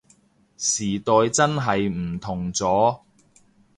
時代真係唔同咗